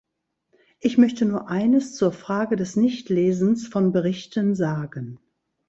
Ich möchte nur eines zur Frage des Nichtlesens von Berichten sagen.